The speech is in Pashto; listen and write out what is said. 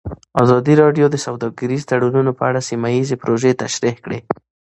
ازادي راډیو د سوداګریز تړونونه په اړه سیمه ییزې پروژې تشریح کړې.